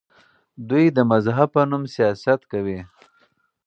دوی د مذهب په نوم سیاست کوي.